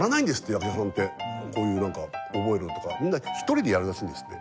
役者さんってこういう、なんか覚えるのとかみんな１人でやるらしいんですって。